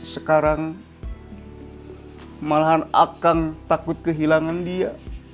sekarang malahan akan takut kehilangan dia